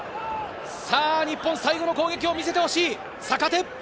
日本、最後の攻撃を見せてほしい。